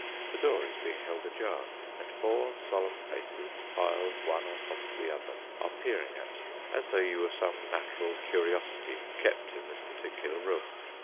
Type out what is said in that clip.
The door is being held ajar, and four solemn faces, piled one on top of the other, are peering at you, as though you were some natural curiosity kept in this particular room.